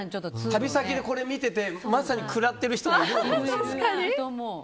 旅先でこれ見ててまさに食らってる人いるかも。